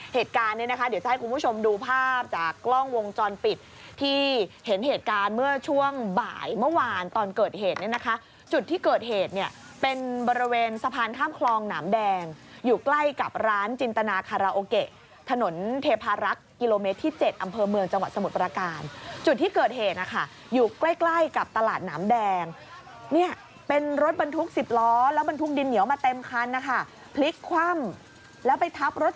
เหตุการณ์เนี่ยนะคะเดี๋ยวจะให้คุณผู้ชมดูภาพจากกล้องวงจรปิดที่เห็นเหตุการณ์เมื่อช่วงบ่ายเมื่อวานตอนเกิดเหตุเนี่ยนะคะจุดที่เกิดเหตุเนี่ยเป็นบริเวณสะพานข้ามคลองหนามแดงอยู่ใกล้กับร้านจินตนาคาราโอเกะถนนเทพารักษณ์กิโลเมตรที่เจ็ดอำเภอเมืองจังหวัดสมุทรประการจุดที่เกิดเหตุนะคะอยู่ใ